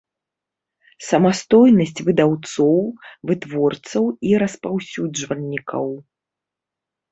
Самастойнасць выдаўцоў, вытворцаў i распаўсюджвальнiкаў.